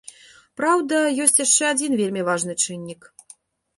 Праўда, ёсць яшчэ адзін вельмі важны чыннік.